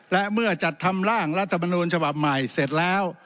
และเมื่อจัดทำร่างรัฐมนูลฉบับใหม่เสร็จแล้ว